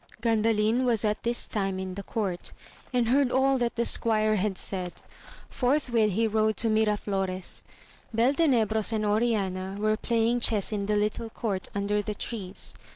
Gkmdalin was at this time in the court, and heard all that the squire had said. Forthwith he rode to Miraflores. Beltenebros and Oriana were playing chess in the little court under the trees.